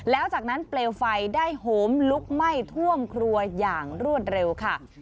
แล้วจากนั้นเปลวไฟได้โหมลุกไหม้ท่วมครัวอย่างรวดเร็วค่ะ